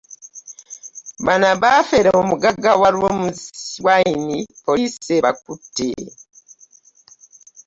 Bano baafera omugagga wa Romis Wine poliisi ebakutte